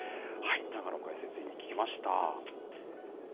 永野解説委員に聞きました。